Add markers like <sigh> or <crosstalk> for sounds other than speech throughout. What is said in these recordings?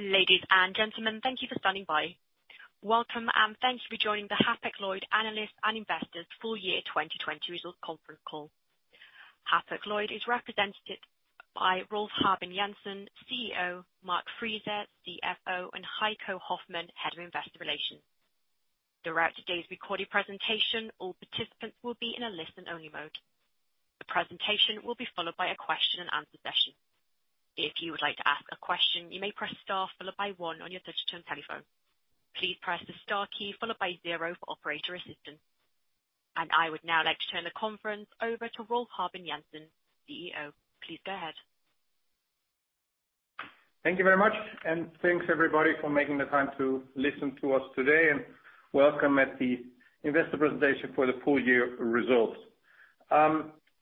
Ladies and gentlemen, thank you for standing by. Welcome, and thank you for joining the Hapag-Lloyd Analysts and Investors Full Year 2020 Results Conference call. Hapag-Lloyd is represented by Rolf Habben Jansen, CEO; Mark Frese, CFO; and Heiko Hoffmann, Head of Investor Relations. Throughout today's recorded presentation, all participants will be in a listen-only mode. The presentation will be followed by a question-and-answer session. If you would like to ask a question, you may press star followed by one on your touch-tone telephone. Please press the star key followed by zero for operator assistance. I would now like to turn the conference over to Rolf Habben Jansen, CEO. Please go ahead. Thank you very much, and thanks everybody for making the time to listen to us today and welcome at the investor presentation for the full year results.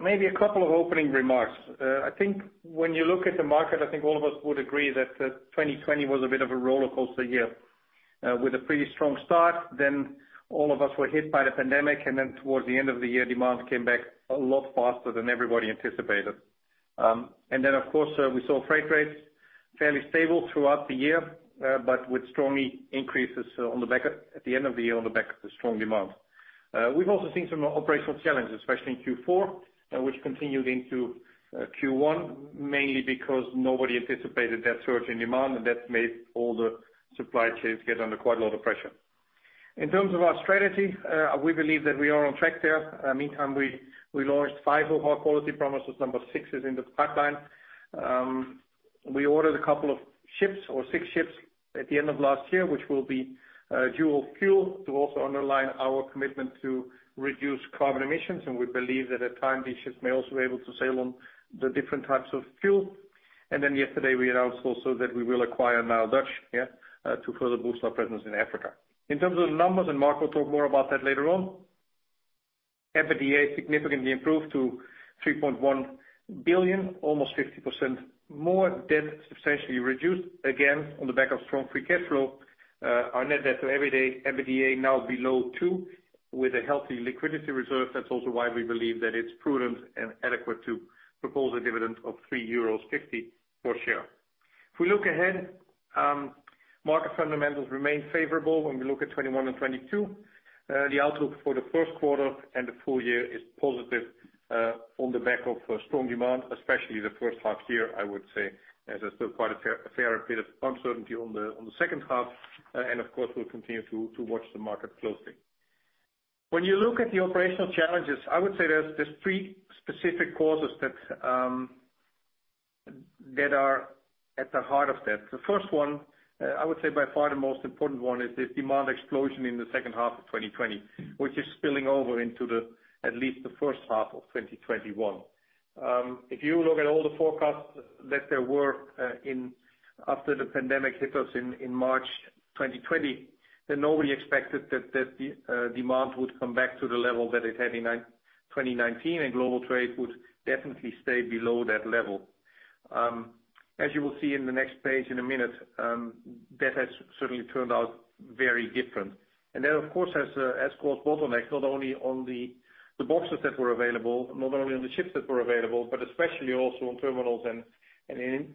Maybe a couple of opening remarks. I think when you look at the market, I think all of us would agree that 2020 was a bit of a roller coaster year. With a pretty strong start, then all of us were hit by the pandemic, and then towards the end of the year, demand came back a lot faster than everybody anticipated, and then, of course, we saw freight rates fairly stable throughout the year, but with strong increases at the end of the year on the back of the strong demand. We've also seen some operational challenges, especially in Q4, which continued into Q1, mainly because nobody anticipated that surge in demand, and that made all the supply chains get under quite a lot of pressure. In terms of our strategy, we believe that we are on track there. Meantime, we launched five of our Quality Promises, number six is in the pipeline. We ordered a couple of ships, or six ships, at the end of last year, which will be dual fuel to also underline our commitment to reduce carbon emissions, and we believe that at times these ships may also be able to sail on the different types of fuel. Then yesterday, we announced also that we will acquire NileDutch, yeah, to further boost our presence in Africa. In terms of the numbers, and Mark will talk more about that later on, EBITDA significantly improved to 3.1 billion, almost 50% more, debt substantially reduced, again on the back of strong free cash flow. Our net debt to EBITDA now below two, with a healthy liquidity reserve. That's also why we believe that it's prudent and adequate to propose a dividend of 3.50 euros per share. If we look ahead, market fundamentals remain favorable when we look at 2021 and 2022. The outlook for the first quarter and the full year is positive on the back of strong demand, especially the first half year, I would say, as there's still quite a fair bit of uncertainty on the second half. And of course, we'll continue to watch the market closely. When you look at the operational challenges, I would say there's three specific causes that are at the heart of that. The first one, I would say by far the most important one is this demand explosion in the second half of 2020, which is spilling over into at least the first half of 2021. If you look at all the forecasts that there were after the pandemic hit us in March 2020, then nobody expected that demand would come back to the level that it had in 2019, and global trade would definitely stay below that level. As you will see in the next page in a minute, that has certainly turned out very different, and that, of course, has caused bottlenecks, not only on the boxes that were available, not only on the ships that were available, but especially also on terminals and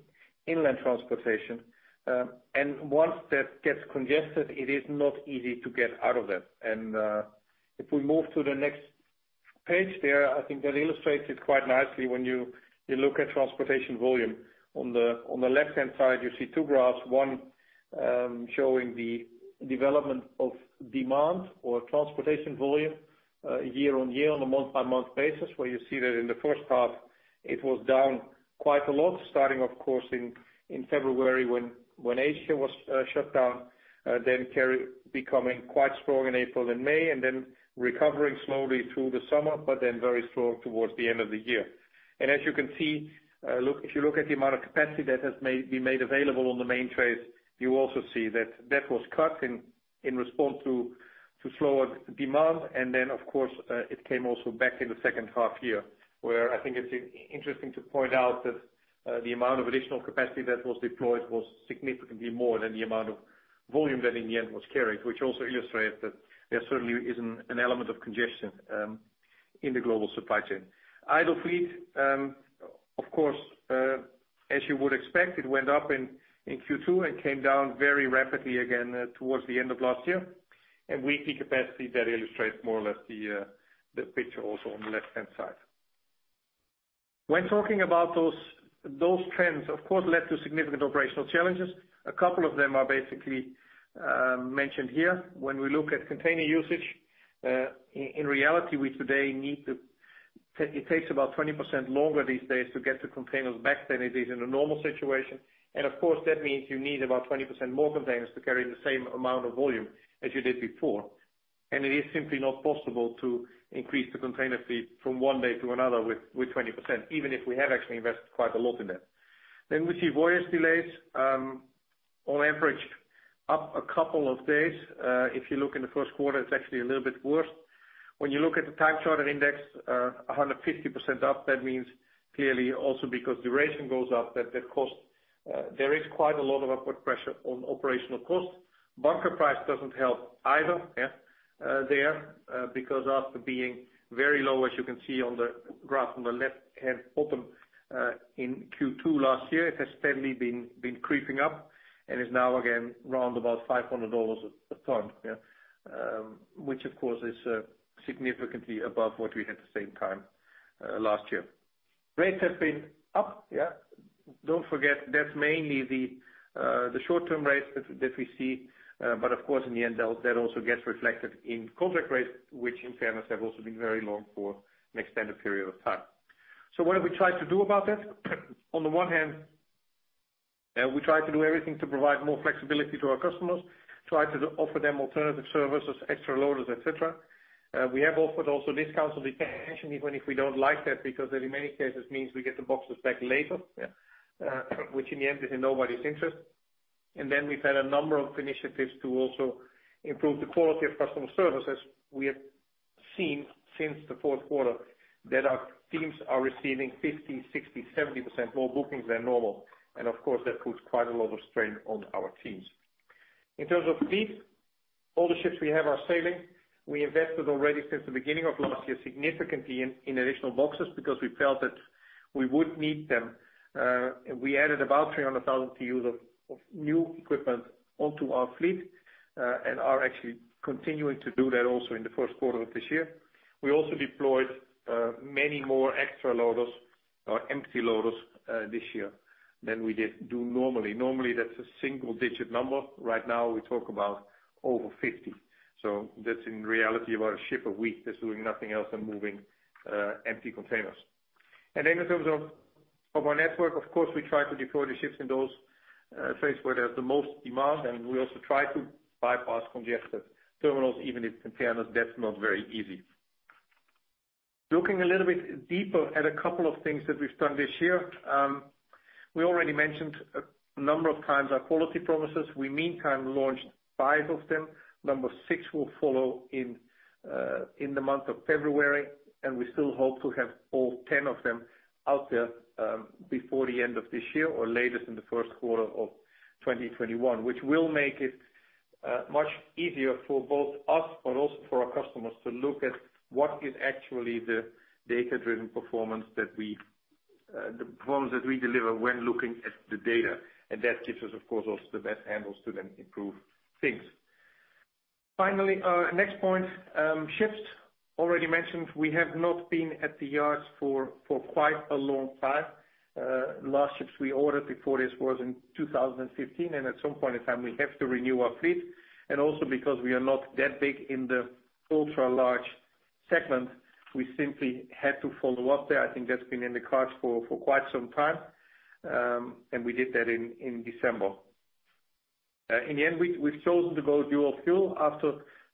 inland transportation. Once that gets congested, it is not easy to get out of that. If we move to the next page there, I think that illustrates it quite nicely when you look at transportation volume. On the left-hand side, you see two graphs, one showing the development of demand or transportation volume year on year on a month-by-month basis, where you see that in the first half it was down quite a lot, starting, of course, in February when Asia was shut down, then becoming quite strong in April and May, and then recovering slowly through the summer, but then very strong towards the end of the year. As you can see, if you look at the amount of capacity that has been made available on the main trades, you also see that that was cut in response to slower demand. And then, of course, it came also back in the second half year, where I think it's interesting to point out that the amount of additional capacity that was deployed was significantly more than the amount of volume that in the end was carried, which also illustrates that there certainly is an element of congestion in the global supply chain. Idle fleet, of course, as you would expect, it went up in Q2 and came down very rapidly again towards the end of last year. And weekly capacity, that illustrates more or less the picture also on the left-hand side. When talking about those trends, of course, led to significant operational challenges. A couple of them are basically mentioned here. When we look at container usage, in reality, we today need to, it takes about 20% longer these days to get the containers back than it is in a normal situation. Of course, that means you need about 20% more containers to carry the same amount of volume as you did before. It is simply not possible to increase the container fleet from one day to another with 20%, even if we have actually invested quite a lot in that. Then we see voyage delays. On average, up a couple of days. If you look in the first quarter, it's actually a little bit worse. When you look at the Time Charter Index, 150% up, that means clearly also because duration goes up, that cost, there is quite a lot of upward pressure on operational cost. Bunker price doesn't help either, yeah, there, because after being very low, as you can see on the graph on the left-hand bottom in Q2 last year, it has steadily been creeping up and is now again around about $500 a ton, yeah, which of course is significantly above what we had at the same time last year. Rates have been up, yeah. Don't forget, that's mainly the short-term rates that we see. But of course, in the end, that also gets reflected in contract rates, which in fairness have also been very long for an extended period of time. So what have we tried to do about that? On the one hand, we tried to do everything to provide more flexibility to our customers, tried to offer them alternative services, extra loaders, etc. We have offered also discounts on retention even if we don't like that because that in many cases means we get the boxes back later, yeah, which in the end is in nobody's interest. And then we've had a number of initiatives to also improve the quality of customer service. As we have seen since the fourth quarter, that our teams are receiving 50%, 60%, 70% more bookings than normal. And of course, that puts quite a lot of strain on our teams. In terms of fleet, all the ships we have are sailing. We invested already since the beginning of last year significantly in additional boxes because we felt that we would need them. We added about 300,000 TEUs of new equipment onto our fleet and are actually continuing to do that also in the first quarter of this year. We also deployed many more extra loaders, or empty loaders, this year than we do normally. Normally, that's a single-digit number. Right now, we talk about over 50. So that's in reality about a ship a week that's doing nothing else than moving empty containers. And then in terms of our network, of course, we try to deploy the ships in those places where there's the most demand. And we also try to bypass congested terminals, even if in fairness that's not very easy. Looking a little bit deeper at a couple of things that we've done this year, we already mentioned a number of times our quality promises. We meantime launched five of them. Number six will follow in the month of February. And we still hope to have all 10 of them out there before the end of this year or latest in the first quarter of 2021, which will make it much easier for both us, but also for our customers to look at what is actually the data-driven performance that we deliver when looking at the data. And that gives us, of course, also the best handles to then improve things. Finally, next point, ships. Already mentioned, we have not been at the yards for quite a long time. Last ships we ordered before this was in 2015. And at some point in time, we have to renew our fleet. And also because we are not that big in the ultra-large segment, we simply had to follow up there. I think that's been in the cards for quite some time. And we did that in December. In the end, we've chosen to go dual fuel after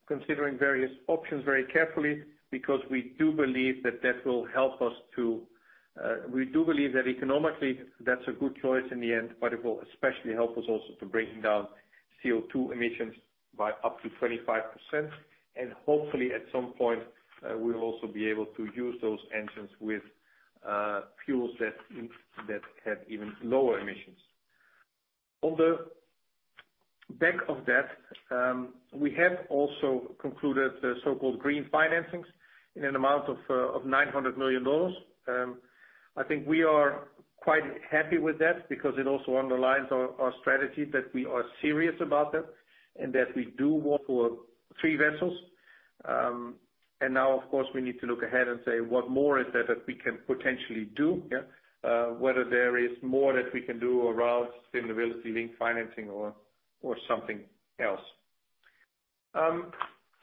considering various options very carefully because we do believe that that will help us to—we do believe that economically that's a good choice in the end, but it will especially help us also to bring down CO2 emissions by up to 25%, and hopefully, at some point, we'll also be able to use those engines with fuels that have even lower emissions. On the back of that, we have also concluded so-called green financings in an amount of $900 million. I think we are quite happy with that because it also underlines our strategy that we are serious about that and that we do want to have three vessels. And now, of course, we need to look ahead and say, what more is that we can potentially do, yeah, whether there is more that we can do around sustainability-linked financing or something else.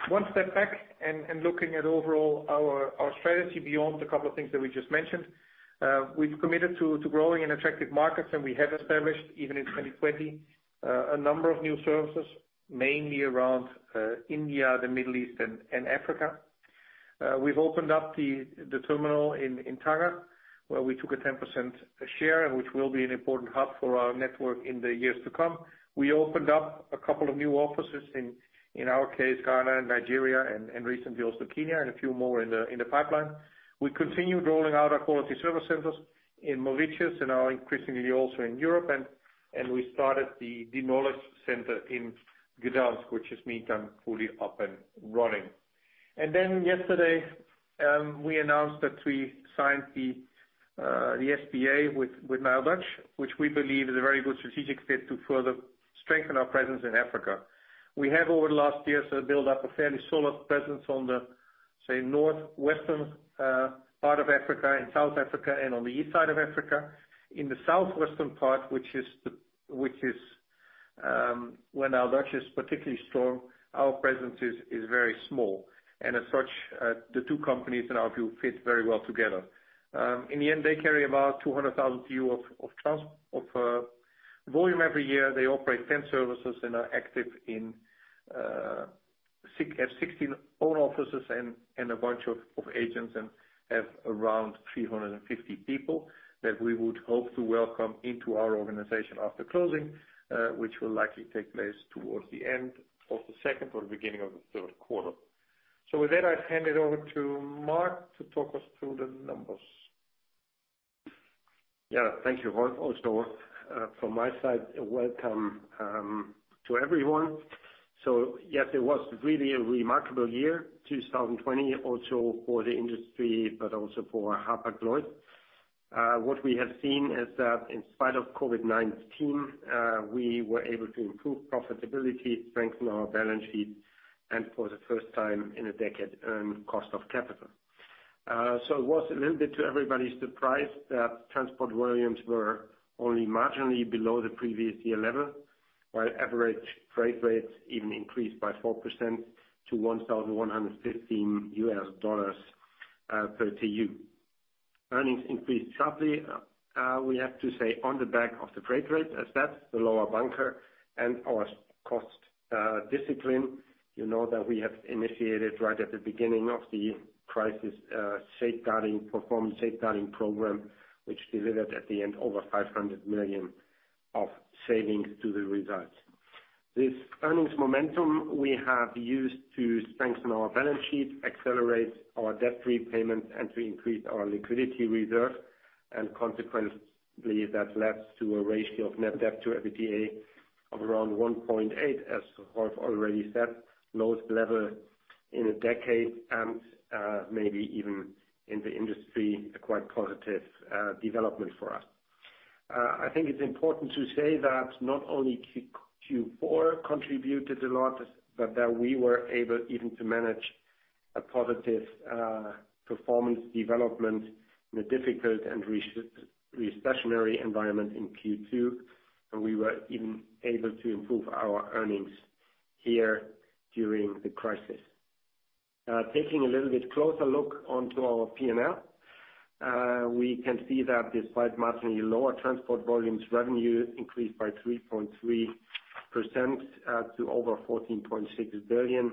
One step back and looking at overall our strategy beyond the couple of things that we just mentioned, we've committed to growing in attractive markets, and we have established even in 2020 a number of new services, mainly around India, the Middle East, and Africa. We've opened up the terminal in Tanga, where we took a 10% share, which will be an important hub for our network in the years to come. We opened up a couple of new offices, in our case Ghana and Nigeria, and recently also Kenya and a few more in the pipeline. We continue rolling out our quality service centers in Mauritius and are increasingly also in Europe. And we started the Knowledge Center in Gdańsk, which has meant I'm fully up and running. And then yesterday, we announced that we signed the SPA with NileDutch, which we believe is a very good strategic fit to further strengthen our presence in Africa. We have, over the last years, built up a fairly solid presence on the, say, northwestern part of Africa and South Africa and on the east side of Africa. In the southwestern part, which is where NileDutch is particularly strong, our presence is very small. And as such, the two companies, in our view, fit very well together. In the end, they carry about 200,000 TEU of volume every year. They operate 10 services and are active and have 16 own offices and a bunch of agents and have around 350 people that we would hope to welcome into our organization after closing, which will likely take place towards the end of the second or the beginning of the third quarter. So with that, I've handed over to Mark to talk us through the numbers. Yeah, thank you, Rolf. Also, from my side, welcome to everyone. So yes, it was really a remarkable year, 2020, also for the industry, but also for Hapag-Lloyd. What we have seen is that in spite of COVID-19, we were able to improve profitability, strengthen our balance sheet, and for the first time in a decade, earn cost of capital. It was a little bit to everybody's surprise that transport volumes were only marginally below the previous year level, while average trade rates even increased by 4% to $1,115 per TEU. Earnings increased sharply, we have to say, on the back of the trade rates, as that's the lower bunker and our cost discipline. You know that we have initiated right at the beginning of the crisis Performance Safeguarding Program, which delivered at the end over 500 million of savings to the results. This earnings momentum we have used to strengthen our balance sheet, accelerate our debt repayment, and to increase our liquidity reserve. Consequently, that led to a ratio of net debt to EBITDA of around 1.8x, as Rolf already said, lowest level in a decade and maybe even in the industry a quite positive development for us. I think it's important to say that not only Q4 contributed a lot, but that we were able even to manage a positive performance development in a difficult and recessionary environment in Q2, and we were even able to improve our earnings here during the crisis. Taking a little bit closer look onto our P&L, we can see that despite marginally lower transport volumes, revenue increased by 3.3% to over $14.6 billion,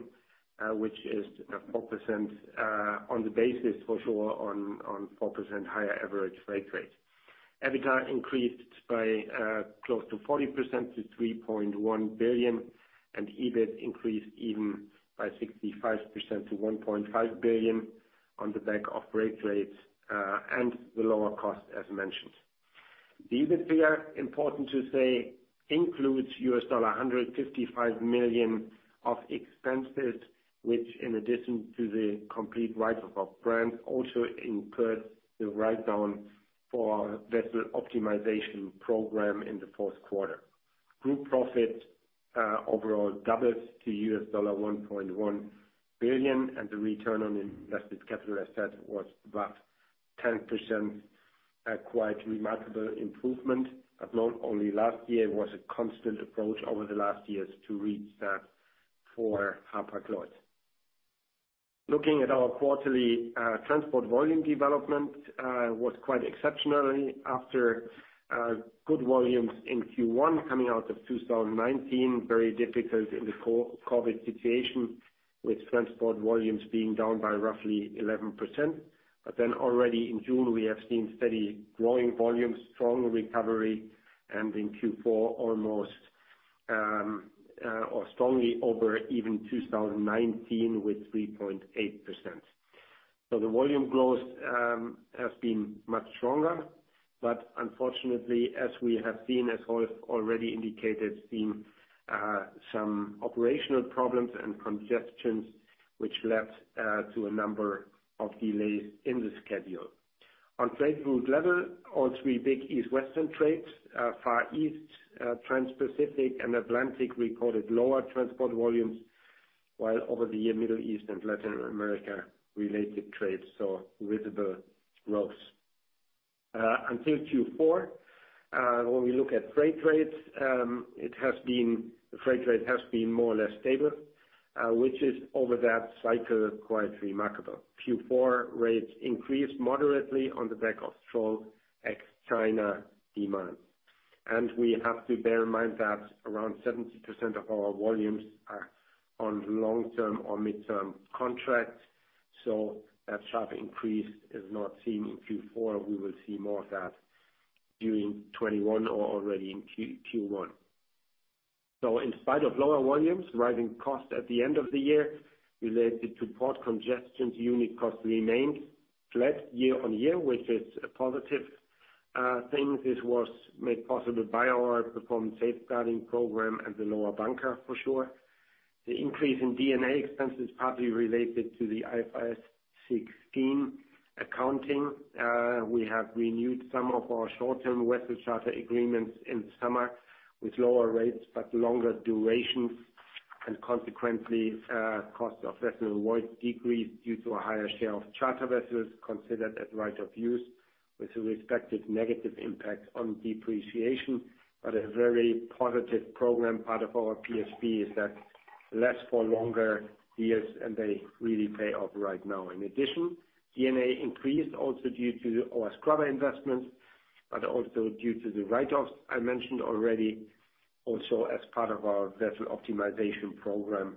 which is 4% on the basis for sure on 4% higher average trade rates. EBITDA increased by close to 40% to $3.1 billion, and EBIT increased even by 65% to $1.5 billion on the back of rate rates and the lower cost, as mentioned. The EBITDA, important to say, includes $155 million of expenses, which in addition to the complete write-off of brands also incurred the write-down for our vessel optimization program in the fourth quarter. Group profit overall doubled to $1.1 billion, and the return on invested capital asset was about 10%, a quite remarkable improvement. But not only last year was a constant approach over the last years to reach that for Hapag-Lloyd. Looking at our quarterly transport volume development was quite exceptionally after good volumes in Q1 coming out of 2019, very difficult in the COVID situation with transport volumes being down by roughly 11%. But then already in June, we have seen steady growing volumes, strong recovery, and in Q4 almost or strongly over even 2019 with 3.8%. So the volume growth has been much stronger. But unfortunately, as we have seen, as Rolf already indicated, seen some operational problems and congestions, which led to a number of delays in the schedule. On trade route level, all three big east-west trades, Far East, Trans-Pacific, and Atlantic reported lower transport volumes, while over the year Middle East and Latin America related trades saw visible growth. Until Q4, when we look at freight rates, the freight rate has been more or less stable, which is over that cycle quite remarkable. Q4 rates increased moderately on the back of strong ex-China demand. We have to bear in mind that around 70% of our volumes are on long-term or mid-term contracts. That sharp increase is not seen in Q4. We will see more of that during 2021 or already in Q1. In spite of lower volumes, rising costs at the end of the year related to port congestions, unit cost remained flat year on year, which is a positive thing. This was made possible by our Performance Safeguarding Program and the lower bunker for sure. The increase in non-cash expenses is partly related to the IFRS 16 accounting. We have renewed some of our short-term vessel charter agreements in the summer with lower rates but longer durations. Consequently, cost of vessel hires decreased due to a higher share of charter vessels considered as right-of-use with a respective negative impact on depreciation. A very positive program part of our PSP is that leases for longer years, and they really pay off right now. In addition, non-cash increased also due to our scrubber investments, but also due to the write-offs I mentioned already, also as part of our vessel optimization program,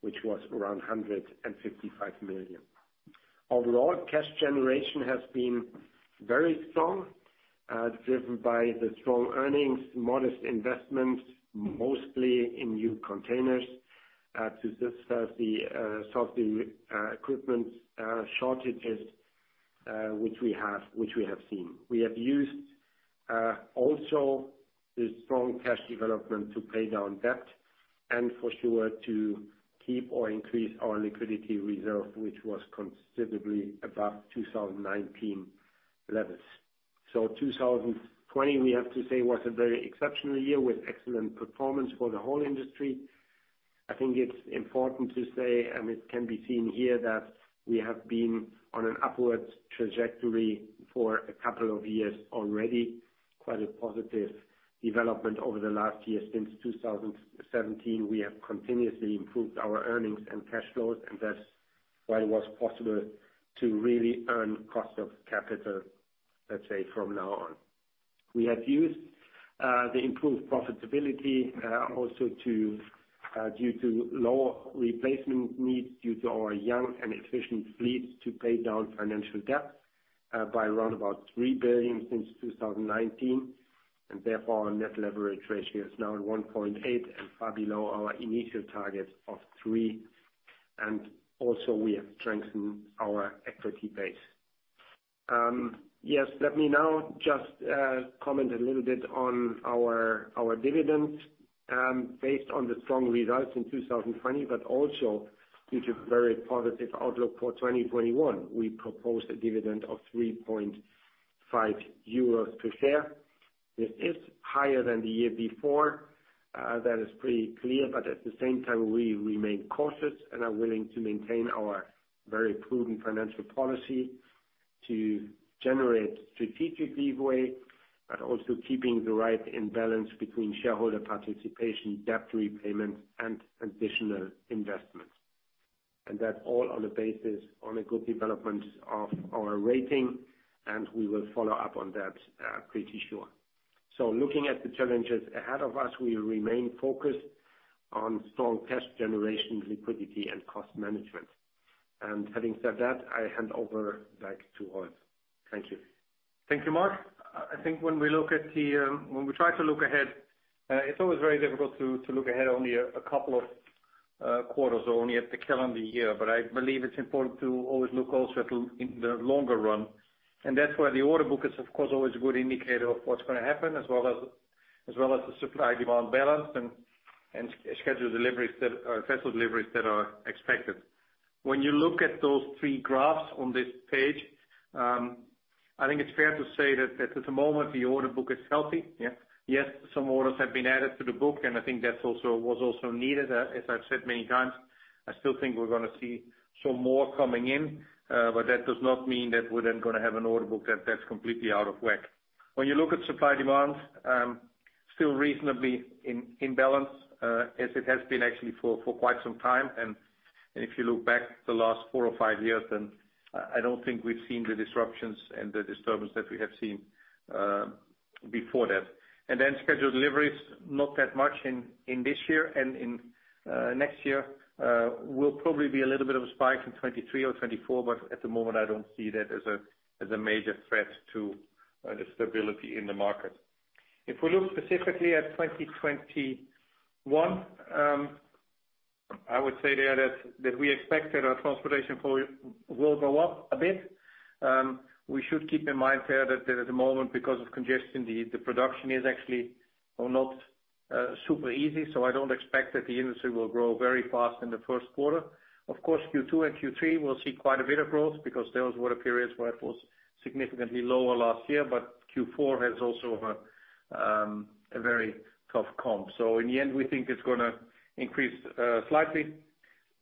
which was around 155 million. Overall, cash generation has been very strong, driven by the strong earnings, modest investments, mostly in new containers to solve the equipment shortages which we have seen. We have used also the strong cash development to pay down debt and for sure to keep or increase our liquidity reserve, which was considerably above 2019 levels. So 2020, we have to say, was a very exceptional year with excellent performance for the whole industry. I think it's important to say, and it can be seen here, that we have been on an upward trajectory for a couple of years already. Quite a positive development over the last year since 2017. We have continuously improved our earnings and cash flows, and that's why it was possible to really earn cost of capital, let's say, from now on. We have used the improved profitability also due to lower replacement needs due to our young and efficient fleets to pay down financial debt by around about 3 billion since 2019. Therefore, our net leverage ratio is now at 1.8x and far below our initial target of 3. Also, we have strengthened our equity base. Yes, let me now just comment a little bit on our dividends. Based on the strong results in 2020, but also due to a very positive outlook for 2021, we proposed a dividend of 3.5 euros per share. This is higher than the year before. That is pretty clear. At the same time, we remain cautious and are willing to maintain our very prudent financial policy to generate strategic leeway, but also keeping the right imbalance between shareholder participation, debt repayment, and additional investment. And that's all on the basis of a good development of our rating, and we will follow up on that pretty sure. So looking at the challenges ahead of us, we remain focused on strong cash generation, liquidity, and cost management. And having said that, I hand over back to Rolf. Thank you. Thank you, Mark. I think when we try to look ahead, it's always very difficult to look ahead only a couple of quarters or only at the calendar year. But I believe it's important to always look also at the longer run. And that's where the order book is, of course, always a good indicator of what's going to happen, as well as the supply-demand balance and scheduled deliveries that are expected. When you look at those three graphs on this page, I think it's fair to say that at the moment, the order book is healthy. Yes, some orders have been added to the book, and I think that was also needed, as I've said many times. I still think we're going to see some more coming in, but that does not mean that we're then going to have an order book that's completely out of whack. When you look at supply-demand, still reasonably in balance, as it has been actually for quite some time. And if you look back the last four or five years, then I don't think we've seen the disruptions and the disturbance that we have seen before that, and then scheduled deliveries, not that much in this year and in next year. We'll probably be a little bit of a spike in 2023 or 2024, but at the moment, I don't see that as a major threat to the stability in the market. If we look specifically at 2021, I would say there that we expect that our transportation will go up a bit. We should keep in mind there that at the moment, because of congestion, the production is actually not super easy. So I don't expect that the industry will grow very fast in the first quarter. Of course, Q2 and Q3, we'll see quite a bit of growth because those were the periods where it was significantly lower last year, but Q4 has also a very tough comp, so in the end, we think it's going to increase slightly.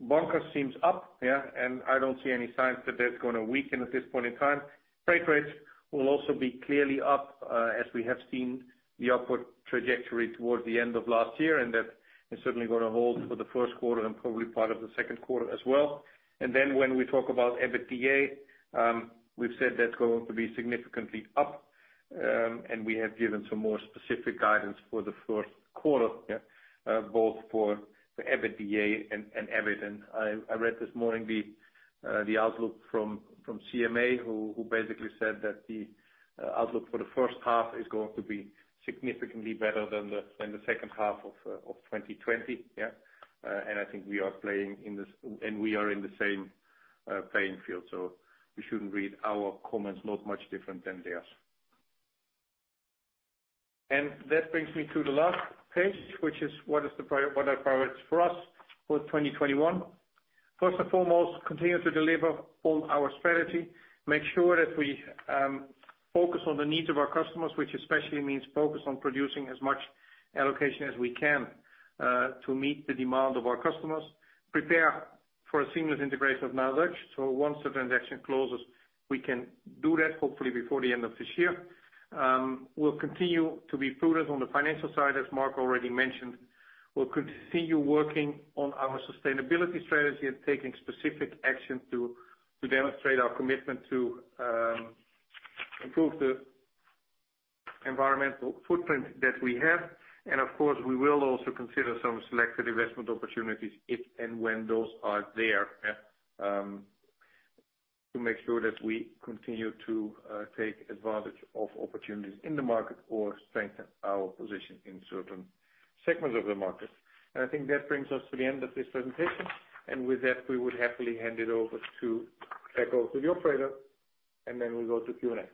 Bunker seems up, yeah, and I don't see any signs that that's going to weaken at this point in time. Freight rates will also be clearly up as we have seen the upward trajectory towards the end of last year, and that is certainly going to hold for the first quarter and probably part of the second quarter as well. And then when we talk about EBITDA, we've said that's going to be significantly up, and we have given some more specific guidance for the first quarter, both for the EBITDA. I read this morning the outlook from CMA, who basically said that the outlook for the first half is going to be significantly better than the second half of 2020. And I think we are playing in this and we are in the same playing field. So we shouldn't read our comments not much different than theirs. And that brings me to the last page, which is what our priorities for us for 2021. First and foremost, continue to deliver on our strategy. Make sure that we focus on the needs of our customers, which especially means focus on producing as much allocation as we can to meet the demand of our customers. Prepare for a seamless integration of UASC. So once the transaction closes, we can do that, hopefully before the end of this year. We'll continue to be prudent on the financial side, as Mark already mentioned. We'll continue working on our sustainability strategy and taking specific actions to demonstrate our commitment to improve the environmental footprint that we have. And of course, we will also consider some selected investment opportunities if and when those are there to make sure that we continue to take advantage of opportunities in the market or strengthen our position in certain segments of the market. I think that brings us to the end of this presentation. With that, we would happily hand it over to the operator, and then we'll go to Q&A.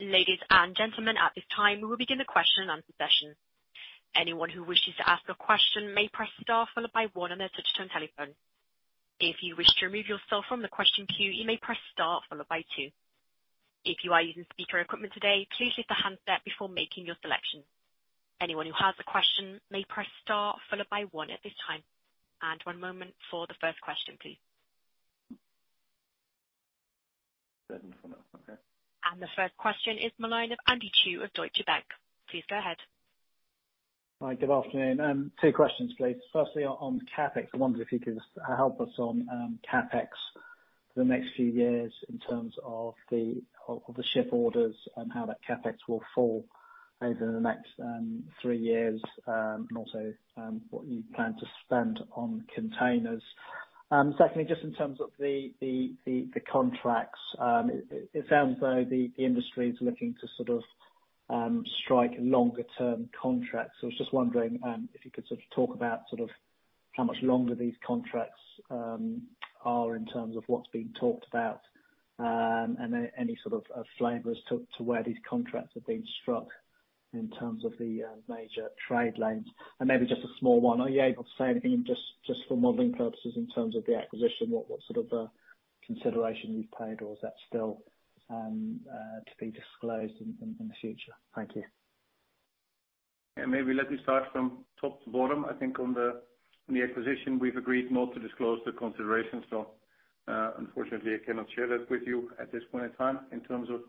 Ladies and gentlemen, at this time, we will begin the question-and-answer session. Anyone who wishes to ask a question may press star followed by one on their touch-tone telephone. If you wish to remove yourself from the question queue, you may press star followed by two. If you are using speaker equipment today, please leave the handset before making your selection. Anyone who has a question may press star followed by one at this time. One moment for the first question, please. The first question is from Andy Chu of Deutsche Bank. Please go ahead. Hi, good afternoon. Two questions, please. Firstly, on CapEx, I wonder if you could help us on CapEx for the next few years in terms of the ship orders and how that CapEx will fall over the next three years and also what you plan to spend on containers. Secondly, just in terms of the contracts, it sounds as though the industry is looking to sort of strike longer-term contracts. I was just wondering if you could sort of talk about sort of how much longer these contracts are in terms of what's being talked about and any sort of flavors to where these contracts have been struck in terms of the major trade lanes. And maybe just a small one, are you able to say anything just for modeling purposes in terms of the acquisition? What sort of consideration you've paid, or is that still to be disclosed in the future? Thank you. Yeah, maybe let me start from top to bottom. I think on the acquisition, we've agreed not to disclose the considerations. So unfortunately, I cannot share that with you at this point in time. In terms of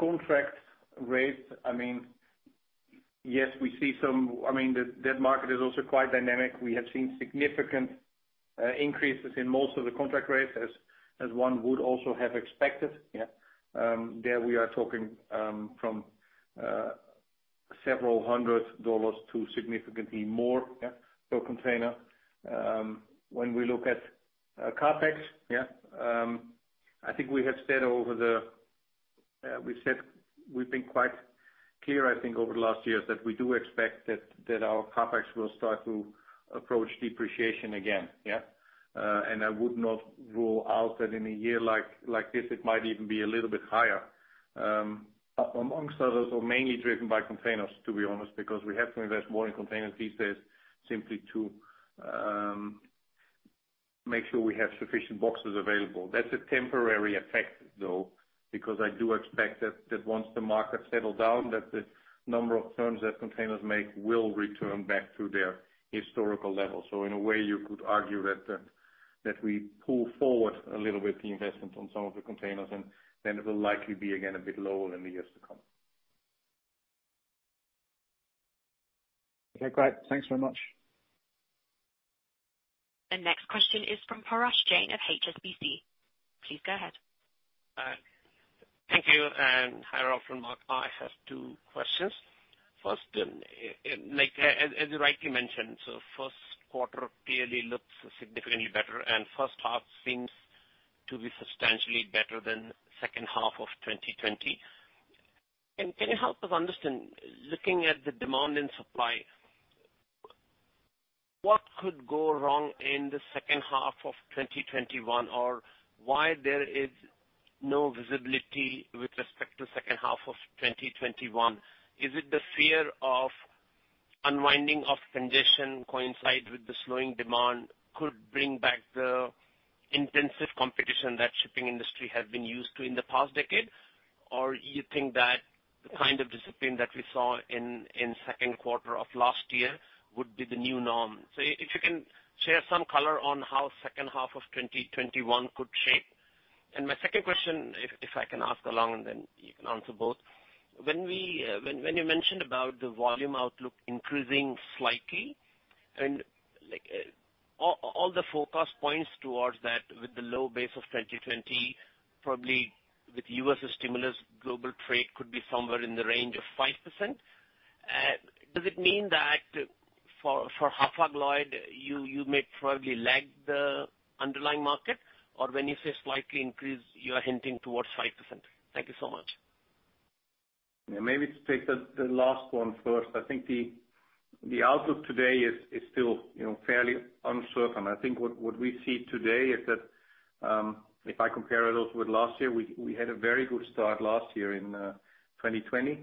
contract rates, I mean, yes, we see some, I mean, that market is also quite dynamic. We have seen significant increases in most of the contract rates as one would also have expected. Yeah, there we are talking from several hundred dollars to significantly more per container. When we look at CapEx, yeah, I think we have said over the, we've been quite clear, I think, over the last years that we do expect that our CapEx will start to approach depreciation again. Yeah, and I would not rule out that in a year like this, it might even be a little bit higher. Among others, we're mainly driven by containers, to be honest, because we have to invest more in containers these days simply to make sure we have sufficient boxes available. That's a temporary effect, though, because I do expect that once the market settles down, that the number of turns that containers make will return back to their historical levels. So in a way, you could argue that we pull forward a little bit the investment on some of the containers, and then it will likely be again a bit lower in the years to come. Okay, great. Thanks very much. The next question is from Parash Jain of HSBC. Please go ahead. Thank you. And hi Rolf and Mark. I have two questions. First, as you rightly mentioned, so first quarter clearly looks significantly better, and first half seems to be substantially better than second half of 2020. And can you help us understand, looking at the demand and supply, what could go wrong in the second half of 2021, or why there is no visibility with respect to second half of 2021? Is it the fear of unwinding of congestion coinciding with the slowing demand could bring back the intensive competition that shipping industry has been used to in the past decade? Or do you think that the kind of discipline that we saw in second quarter of last year would be the new norm? So if you can share some color on how second half of 2021 could shape. And my second question, if I can ask along, and then you can answer both. When you mentioned about the volume outlook increasing slightly, and all the forecast points towards that with the low base of 2020, probably with U.S. stimulus, global trade could be somewhere in the range of 5%. Does it mean that for Hapag-Lloyd, you may probably lag the underlying market? Or when you say slightly increase, you're hinting toward 5%? Thank you so much. Yeah, maybe to take the last one first. I think the outlook today is still fairly uncertain. I think what we see today is that if I compare it also with last year, we had a very good start last year in 2020,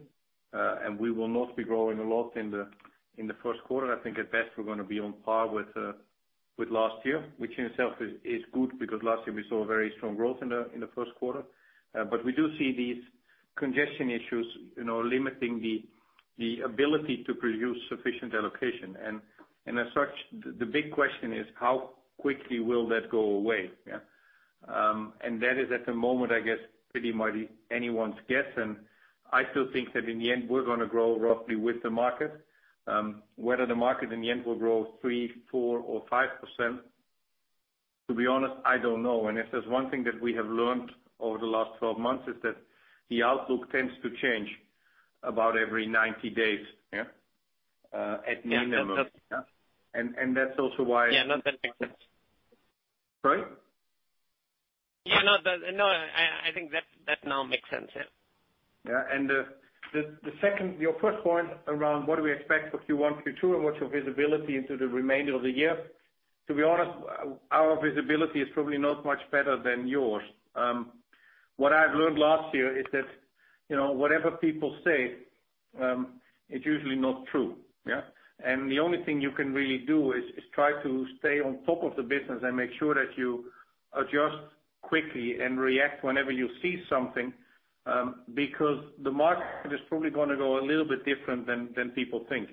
and we will not be growing a lot in the first quarter. I think at best we're going to be on par with last year, which in itself is good because last year we saw very strong growth in the first quarter. But we do see these congestion issues limiting the ability to produce sufficient allocation. And as such, the big question is how quickly will that go away? And that is at the moment, I guess, pretty much anyone's guess. And I still think that in the end, we're going to grow roughly with the market. Whether the market in the end will grow 3%, 4%, or 5%, to be honest, I don't know. And if there's one thing that we have learned over the last 12 months, it's that the outlook tends to change about every 90 days at minimum. And that's also why. Yeah, no, that makes sense. Sorry? Yeah, no, I think that now makes sense. Yeah. Yeah, and the second, your first point around what do we expect for Q1, Q2, and what's your visibility into the remainder of the year? To be honest, our visibility is probably not much better than yours. What I've learned last year is that whatever people say, it's usually not true, and the only thing you can really do is try to stay on top of the business and make sure that you adjust quickly and react whenever you see something because the market is probably going to go a little bit different than people think.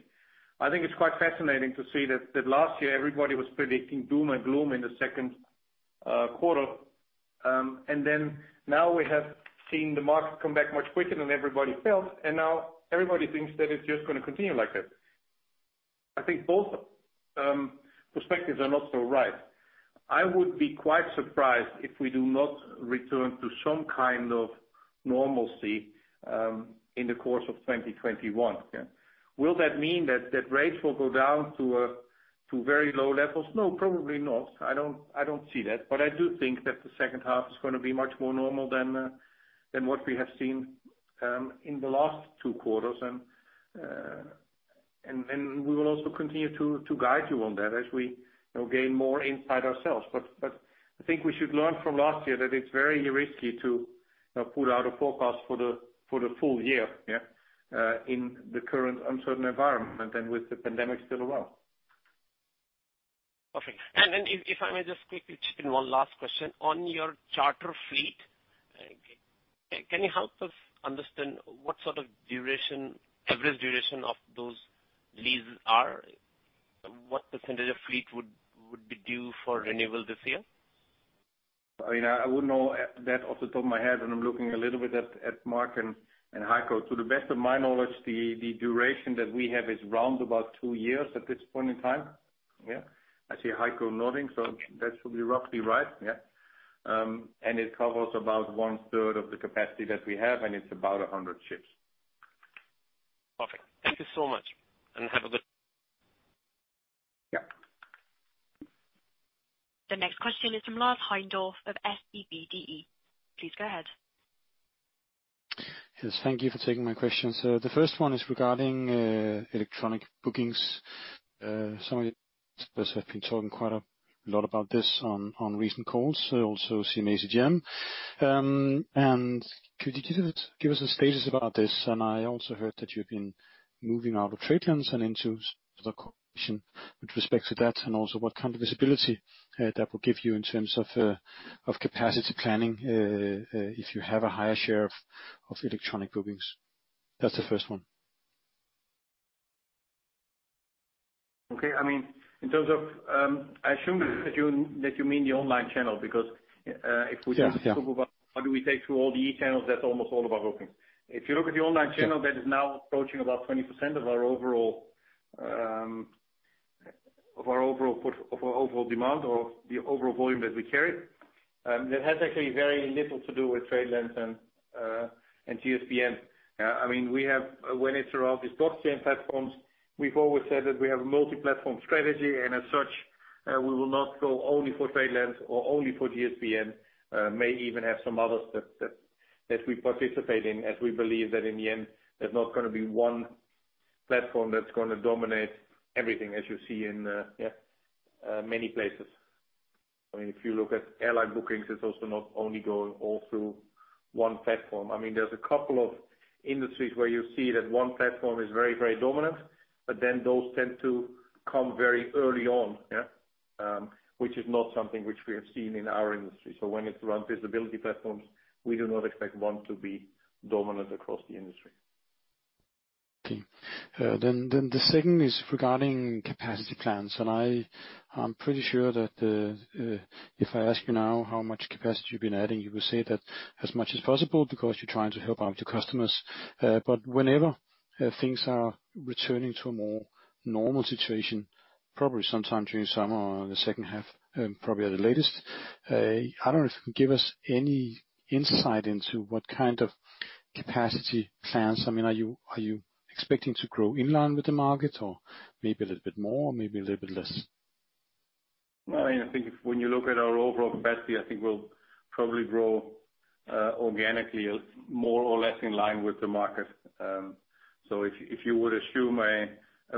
I think it's quite fascinating to see that last year everybody was predicting doom and gloom in the second quarter, and then now we have seen the market come back much quicker than everybody felt, and now everybody thinks that it's just going to continue like that. I think both perspectives are not so right. I would be quite surprised if we do not return to some kind of normalcy in the course of 2021. Will that mean that rates will go down to very low levels? No, probably not. I don't see that. But I do think that the second half is going to be much more normal than what we have seen in the last two quarters. And then we will also continue to guide you on that as we gain more insight ourselves. But I think we should learn from last year that it's very risky to put out a forecast for the full year in the current uncertain environment and with the pandemic still around. Okay. And if I may just quickly chip in one last question. On your charter fleet, can you help us understand what sort of average duration of those leases are? What percentage of fleet would be due for renewal this year? I mean, I wouldn't know that off the top of my head when I'm looking a little bit at Mark and Heiko. To the best of my knowledge, the duration that we have is round about two years at this point in time. Yeah, I see Heiko nodding, so that's probably roughly right. Yeah. And it covers about one-third of the capacity that we have, and it's about 100 ships. Perfect. Thank you so much, and have a good. Yeah. The next question is from Lars Heindorff of SEB. Please go ahead. Yes, thank you for taking my questions. The first one is regarding electronic bookings. Some of the persons have been talking quite a lot about this on recent calls, also CMA CGM. And could you give us a status about this? I also heard that you've been moving out of TradeLens and into some other coalition with respect to that, and also what kind of visibility that will give you in terms of capacity planning if you have a higher share of electronic bookings. That's the first one. Okay. I mean, in terms of, I assume that you mean the online channel because if we talk about how do we take through all the e-channels, that's almost all of our bookings. If you look at the online channel, that is now approaching about 20% of our overall demand or the overall volume that we carry. That has actually very little to do with TradeLens and GSBN. I mean, when it's around these blockchain platforms, we've always said that we have a multi-platform strategy, and as such, we will not go only for TradeLens or only for GSBN. may even have some others that we participate in as we believe that in the end, there's not going to be one platform that's going to dominate everything as you see in many places. I mean, if you look at airline bookings, it's also not only going all through one platform. I mean, there's a couple of industries where you see that one platform is very, very dominant, but then those tend to come very early on, which is not something which we have seen in our industry. So when it's around visibility platforms, we do not expect one to be dominant across the industry. Okay. Then the second is regarding capacity plans, and I'm pretty sure that if I ask you now how much capacity you've been adding, you would say that as much as possible because you're trying to help out your customers. Whenever things are returning to a more normal situation, probably sometime during summer or the second half, probably at the latest, I don't know if you can give us any insight into what kind of capacity plans. I mean, are you expecting to grow in line with the market or maybe a little bit more or maybe a little bit less? I mean, I think when you look at our overall capacity, I think we'll probably grow organically more or less in line with the market. So if you would assume a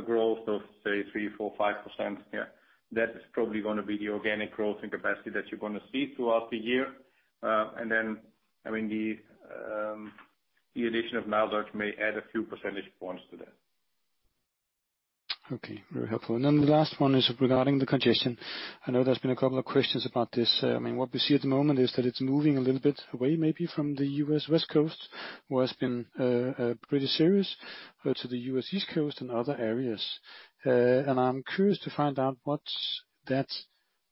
growth of, say, 3%-5%, yeah, that is probably going to be the organic growth and capacity that you're going to see throughout the year. And then, I mean, the addition of Nile Dutch may add a few percentage points to that. Okay. Very helpful. The last one is regarding the congestion. I know there's been a couple of questions about this. I mean, what we see at the moment is that it's moving a little bit away maybe from the U.S. West Coast, where it's been pretty serious, to the U.S. East Coast and other areas. And I'm curious to find out what that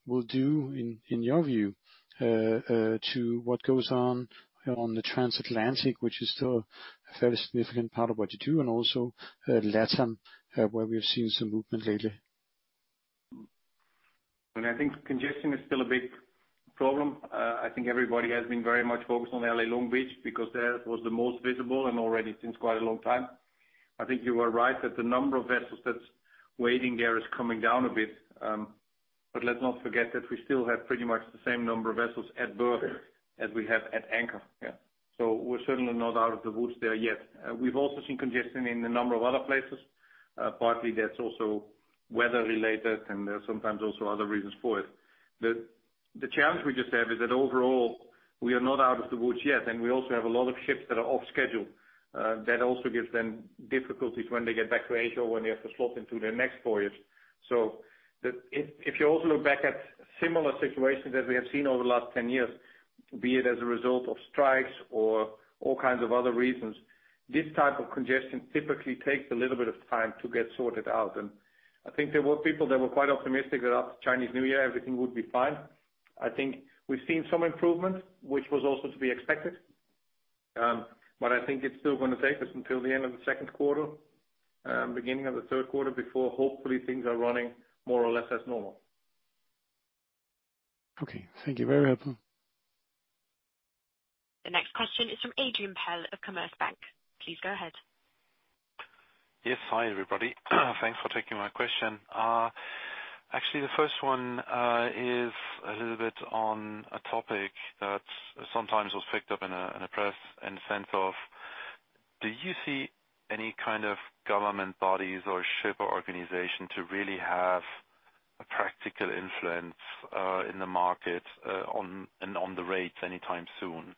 will do in your view to what goes on on the transatlantic, which is still a fairly significant part of what you do, and also LatAm, where we've seen some movement lately. I mean, I think congestion is still a big problem. I think everybody has been very much focused on L.A. Long Beach because that was the most visible and already since quite a long time. I think you were right that the number of vessels that's waiting there is coming down a bit. Let's not forget that we still have pretty much the same number of vessels at berth as we have at anchor. Yeah. We're certainly not out of the woods there yet. We've also seen congestion in a number of other places. Partly, that's also weather-related, and there's sometimes also other reasons for it. The challenge we just have is that overall, we are not out of the woods yet, and we also have a lot of ships that are off schedule. That also gives them difficulties when they get back to Asia or when they have to slot into their next voyage. If you also look back at similar situations that we have seen over the last 10 years, be it as a result of strikes or all kinds of other reasons, this type of congestion typically takes a little bit of time to get sorted out. And I think there were people that were quite optimistic that after Chinese New Year, everything would be fine. I think we've seen some improvement, which was also to be expected. But I think it's still going to take us until the end of the second quarter, beginning of the third quarter, before hopefully things are running more or less as normal. Okay. Thank you. Very helpful. The next question is from Adrian Pehl of Commerzbank. Please go ahead. Yes. Hi, everybody. Thanks for taking my question. Actually, the first one is a little bit on a topic that sometimes was picked up in the press in the sense of, do you see any kind of government bodies or ship organization to really have a practical influence in the market and on the rates anytime soon?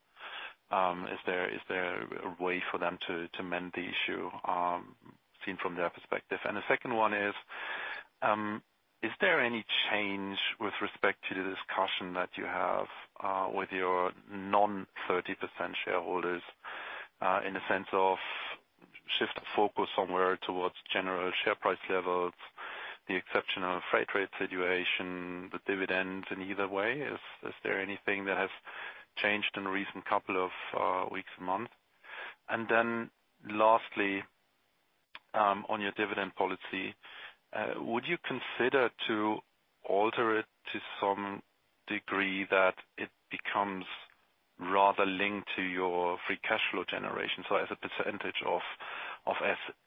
Is there a way for them to mend the issue seen from their perspective? And the second one is, is there any change with respect to the discussion that you have with your non-30% shareholders in the sense of shifting focus somewhere towards general share price levels, the exceptional freight rate situation, the dividends in either way? Is there anything that has changed in the recent couple of weeks and months? And then lastly, on your dividend policy, would you consider to alter it to some degree that it becomes rather linked to your free cash flow generation? So as a percentage of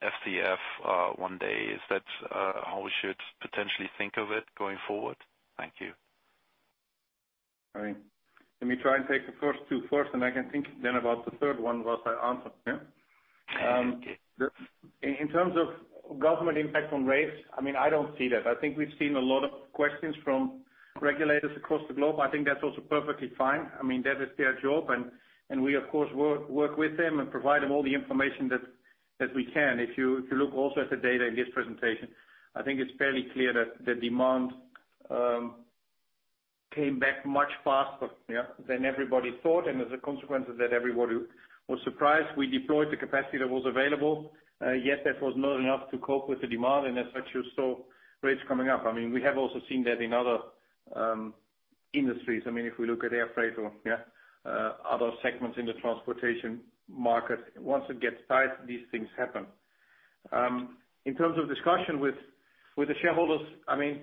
FCF one day, is that how we should potentially think of it going forward? Thank you. All right. Let me try and take the first two first, and I can think then about the third one whilst I answer. Yeah. In terms of government impact on rates, I mean, I don't see that. I think we've seen a lot of questions from regulators across the globe. I think that's also perfectly fine. I mean, that is their job, and we, of course, work with them and provide them all the information that we can. If you look also at the data in this presentation, I think it's fairly clear that the demand came back much faster than everybody thought, and as a consequence of that, everybody was surprised. We deployed the capacity that was available, yet that was not enough to cope with the demand, and as such, you saw rates coming up. I mean, we have also seen that in other industries. I mean, if we look at air freight or other segments in the transportation market, once it gets tight, these things happen. In terms of discussion with the shareholders, I mean,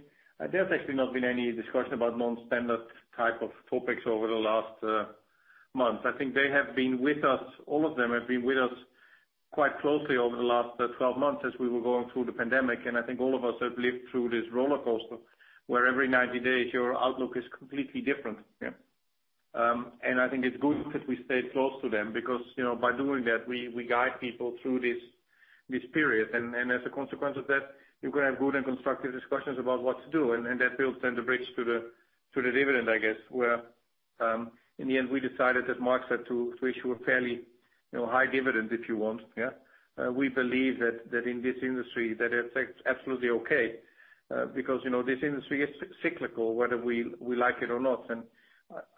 there's actually not been any discussion about non-standard type of topics over the last months. I think they have been with us. All of them have been with us quite closely over the last 12 months as we were going through the pandemic, and I think all of us have lived through this roller coaster where every 90 days, your outlook is completely different, yeah, and I think it's good that we stayed close to them because by doing that, we guide people through this period, and as a consequence of that, you're going to have good and constructive discussions about what to do, and that builds then the bridge to the dividend, I guess, where in the end, we decided that Mark said to issue a fairly high dividend, if you want, yeah. We believe that in this industry, that it's absolutely okay because this industry is cyclical, whether we like it or not. And